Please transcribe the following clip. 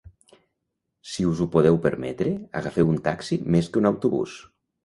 Si us ho podeu permetre, agafeu un taxi més que un autobús